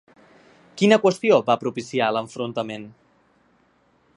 Quina qüestió va propiciar l'enfrontament?